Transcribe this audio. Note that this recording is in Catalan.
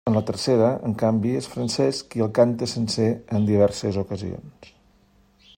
En la tercera, en canvi, és Francesc qui el canta sencer en diverses ocasions.